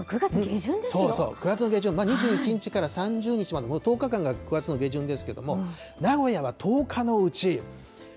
そうそう、９月の下旬、２１日から３０日まで、１０日間が９月の下旬ですけれども、名古屋は毎日？